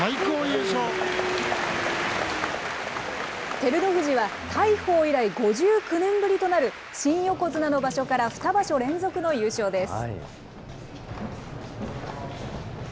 照ノ富士は、大鵬以来５９年ぶりとなる、新横綱の場所から２場所連続の優勝です。